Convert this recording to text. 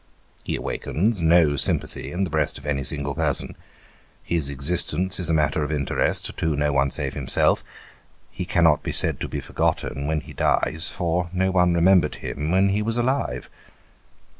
He awakens no sympathy in the breast of any single person ; his existence is a matter of interest to no one save himself; he cannot be said to be forgotten when he dies, for no one remembered him when he was alive.